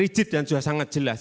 rijet dan sudah sangat jelas